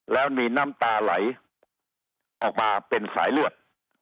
แล้วมีน้ำตาไหลออกมาเป็นสายเลือด